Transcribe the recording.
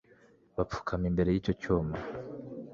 bapfukama imbere y'icyo cyuma